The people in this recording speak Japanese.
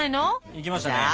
いきましたね。